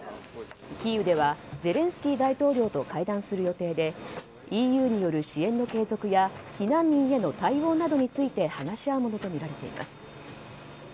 キーウではゼレンスキー大統領と会談する予定でＥＵによる支援の継続や避難民への対応などについて話し合うものとみられています。